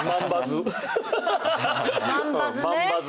万バズね？